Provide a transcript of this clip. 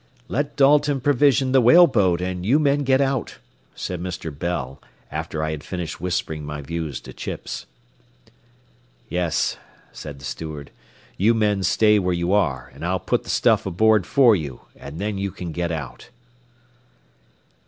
"Let Dalton provision the whale boat, and you men get out," said Mr. Bell after I had finished whispering my views to Chips. "Yes," said the steward; "you men stay where you are, and I'll put the stuff aboard for you, and then you can get out."